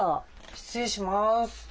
失礼します。